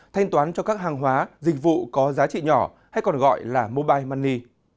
thanh toán cho các hàng hóa dịch vụ có giá trị nhỏ hay còn gọi là mobile money